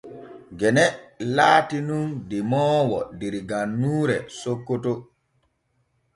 Gene laati nun demoowo der gannuure Sokoto.